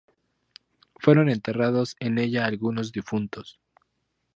Fueron enterrados en ella algunos difuntos.